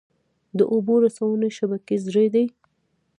د اوبو رسونې شبکې زړې دي؟